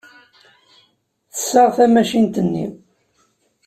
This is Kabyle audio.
Tessaɣ tamacint-nni.